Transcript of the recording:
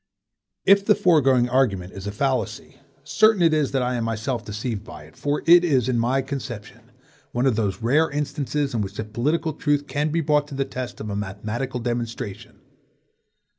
If the foregoing argument is a fallacy, certain it is that I am myself deceived by it, for it is, in my conception, one of those rare instances in which a political truth can be brought to the test of a mathematical demonstration.